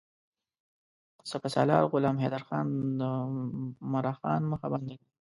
سپه سالار غلام حیدرخان د عمرا خان مخه بنده کړه.